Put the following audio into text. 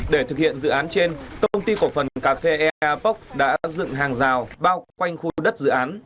để thực hiện dự án trên công ty cổ phần cà phê eapok đã dựng hàng rào bao quanh khu đất dự án